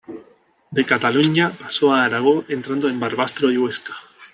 De Cataluña pasó a Aragón entrando en Barbastro y Huesca.